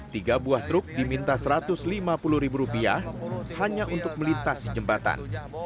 tiga buah truk diminta satu ratus lima puluh ribu rupiah hanya untuk melintasi jembatan